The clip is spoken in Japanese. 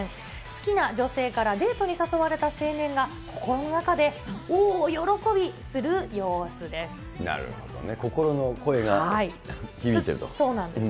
好きな女性からデートに誘われた青年が、心の中で、大喜びする様なるほどね、心の声が響いてそうなんです。